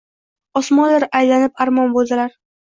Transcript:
Osmonlar aylanib armon bo’ldilar…